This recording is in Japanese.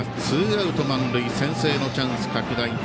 ツーアウト満塁先制のチャンス拡大。